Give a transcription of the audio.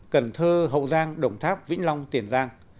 cần thơ hậu giang đồng tháp vĩnh long tiền giang